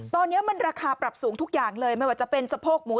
ตอนนี้มันราคาปรับสูงทุกอย่างเลยไม่ว่าจะเป็นสะโพกหมู